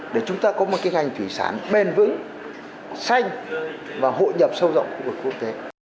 để chúng ta có một cái ngành thủy sản bền vững xanh và hội nhập sâu rộng khu vực quốc tế